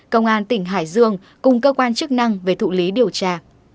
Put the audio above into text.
công an tỉnh hải dương cùng cơ quan chức năng về thụ lý điều tra